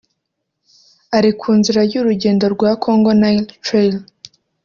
ari ku nzira y’urugendo rwa Congo Nile trail